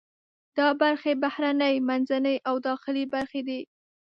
دا برخې بهرنۍ، منځنۍ او داخلي برخې دي.